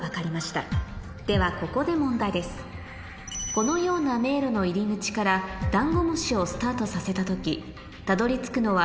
このような迷路の入り口からダンゴムシをスタートさせた時たどり着くのは